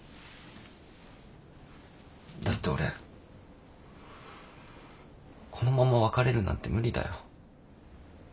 だって俺このまま別れるなんて無理だよ。